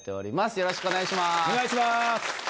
よろしくお願いします。